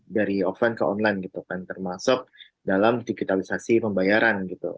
dari offline ke online gitu kan termasuk dalam digitalisasi pembayaran gitu